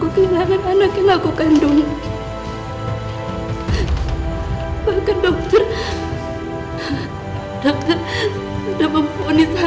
kamu tau gimana itu rasanya